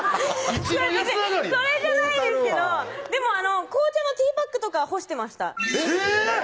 一番安上がりやんそれじゃないですけどでも紅茶のティーバッグとかは干してましたえっ！